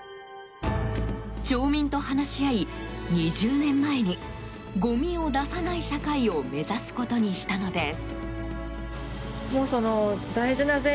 町民と話し合い、２０年前にごみを出さない社会を目指すことにしたのです。